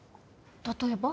例えば？